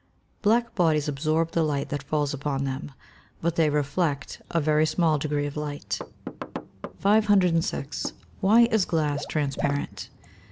_ Black bodies absorb the light that falls upon them. But they reflect a very small degree of light. 506. _Why is glass transparent?